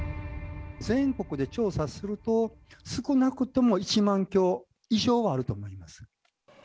全国で調査すると、少なくとも１万橋以上はあると思います。